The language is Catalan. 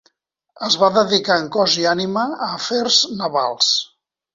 Es va dedicar en cos i ànima a afers navals.